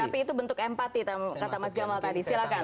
tapi itu bentuk empati kata mas gamal tadi silahkan